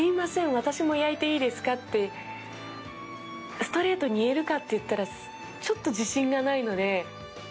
私も焼いていいですかってストレートに言えるかといったらちょっと自信がないので。